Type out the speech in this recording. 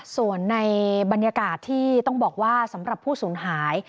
ส่วนในบรรยากาศที่ต้องบอกว่าสำหรับผู้สูญหาย